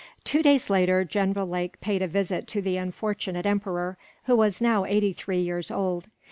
Two days later, General Lake paid a visit to the unfortunate emperor, who was now eighty three years old.